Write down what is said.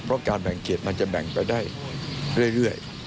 เพราะการแบ่งเขตมันจะแบ่งไปได้เรื่อย